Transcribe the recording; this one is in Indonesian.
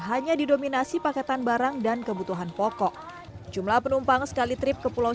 hanya didominasi paketan barang dan kebutuhan pokok jumlah penumpang sekali trip ke pulau